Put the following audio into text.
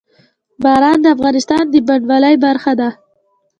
باران د افغانستان د بڼوالۍ برخه ده.